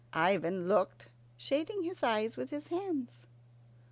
Ivan looked, shading his eyes with his hands.